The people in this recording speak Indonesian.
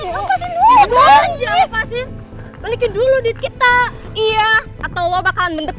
ntar gua inget dulu ntar gua bayar pasti